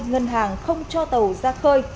ngân hàng không cho tàu ra khơi